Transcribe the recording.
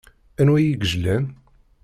Anwa i yejlan?